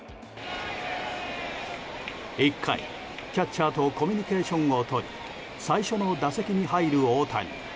１回、キャッチャーとコミュニケーションをとり最初の打席に入る大谷。